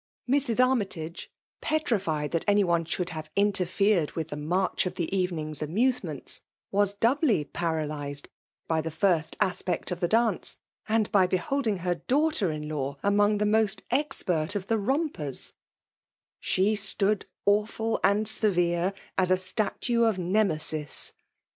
Mrs. Amytage, petrified that aay aae shoidd have interfered with the nuiith of the eTenxng*s amusements, was doid)ly para lysed by the first aspect of the dance, and l^ beholding her daughter in law among die most expert of the rompers^ She stood awftd and severe as a statue of Nemesis